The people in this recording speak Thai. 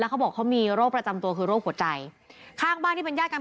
เขาบอกเขามีโรคประจำตัวคือโรคหัวใจข้างบ้านที่เป็นญาติกัน